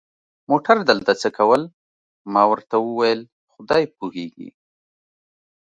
موټر دلته څه کول؟ ما ورته وویل: خدای پوهېږي.